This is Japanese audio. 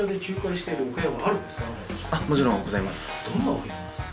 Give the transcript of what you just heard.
どんなお部屋なんですか？